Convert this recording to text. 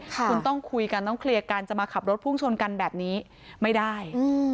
คุณต้องคุยกันต้องเคลียร์กันจะมาขับรถพุ่งชนกันแบบนี้ไม่ได้